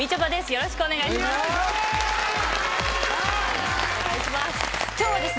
よろしくお願いします。